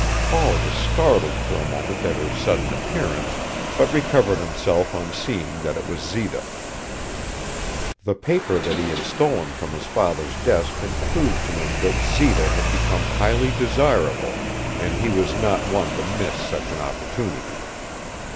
Paul was startled for a moment at her sudden appearance, but recovered himself on seeing that it was Zita. The paper that he had stolen from his father's desk had proved to him that Zita had become highly desirable, and he was not one to miss such an opportunity.